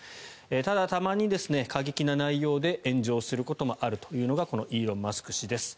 ただ、たまに過激な内容で炎上することもあるというのがこのイーロン・マスク氏です。